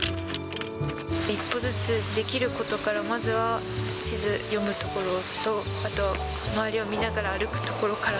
一歩ずつできることから、まずは地図読むところと、あと周りを見ながら歩くところから。